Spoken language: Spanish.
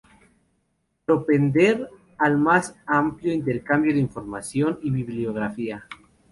Propender al más amplio intercambio de información y bibliografía.